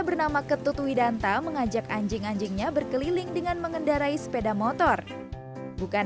bernama ketut widanta mengajak anjing anjingnya berkeliling dengan mengendarai sepeda motor bukan